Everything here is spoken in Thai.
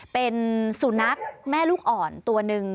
เป็นสุนัขแม่ลูกอ่อนตัวหนึ่ง